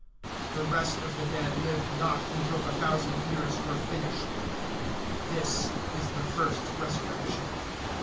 (5)The rest of the dead lived not until the thousand years were finished. This is the first resurrection.